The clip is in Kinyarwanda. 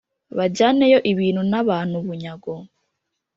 bajyaneyo ibintu nabantu bunyago